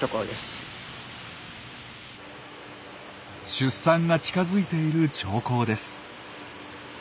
出産が近づいている兆候です。